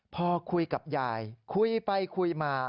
พอคุยกับยายคุยไปคุยมา